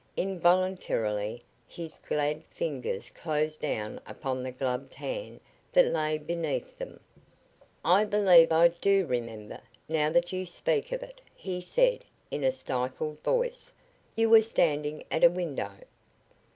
Involuntarily his glad fingers closed down upon the gloved hand that lay beneath them. "I believe I do remember, now that you speak of it," he said, in a stifled voice. "You were standing at a window?"